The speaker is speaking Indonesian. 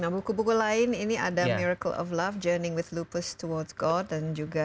buku buku lain ini ada miracle of love journeying with lupus toward god dan juga